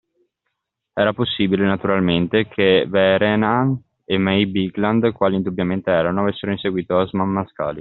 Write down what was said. Era possibile, naturalmente, che Vehrehan e May Bigland, quali indubbiamente erano, avessero inseguito Osman Mascali